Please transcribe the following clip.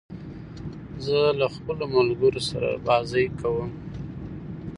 زه له خپلو ملګرو سره بازۍ کوم.